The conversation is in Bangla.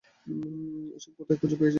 এসব কোথায় খুঁজে পেয়েছিস?